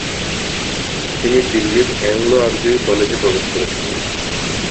তিনি দিল্লির অ্যাংলো-আরবি কলেজে প্রবেশ করেছিলেন।